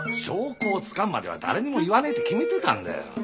証拠をつかむまでは誰にも言わねえって決めてたんだよ。